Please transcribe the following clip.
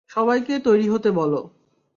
সবাইকে তৈরি হতে বলো।